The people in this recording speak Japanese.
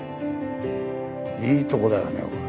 いいとこだよねこれ。